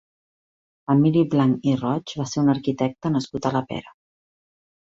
Emili Blanch i Roig va ser un arquitecte nascut a la Pera.